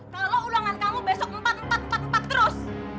kalau ulangan kamu besok empat empat terus